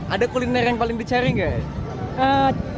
ada kuliner yang paling dicari nggak